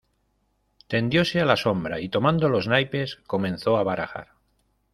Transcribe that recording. tendióse a la sombra, y tomando los naipes comenzó a barajar.